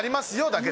だけ